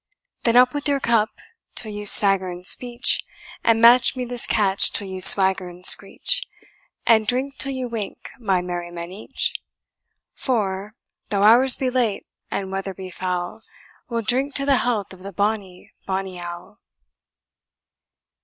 Then up with your cup till you stagger in speech, And match me this catch till you swagger and screech, And drink till you wink, my merry men each; For, though hours be late and weather be foul, We'll drink to the health of the bonny, bonny owl."